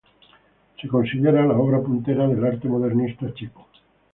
Se considera la obra puntera del arte modernista checo.